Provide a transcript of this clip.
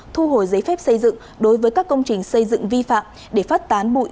thu hồi giấy phép xây dựng đối với các công trình xây dựng vi phạm để phát tán bụi